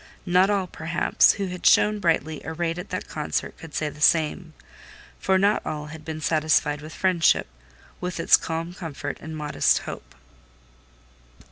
Not all, perhaps, who had shone brightly arrayed at that concert could say the same; for not all had been satisfied with friendship—with its calm comfort and modest hope.